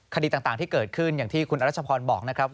คดีต่างที่เกิดขึ้นอย่างที่คุณอรัชพรบอกนะครับ